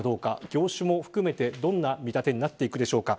業種も含めてどんな見立てになっていくでしょうか。